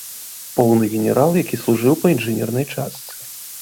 Поўны генерал, які служыў па інжынернай частцы.